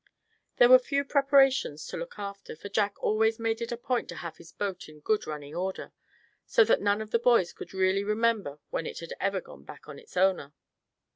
There were few preparations to look after, for Jack always made it a point to have his boat in good running order, so that none of the boys could really remember when it had ever gone back on its owner.